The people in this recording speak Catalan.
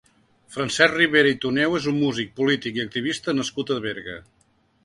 Francesc Ribera i Toneu és un músic, polític i activista nascut a Berga.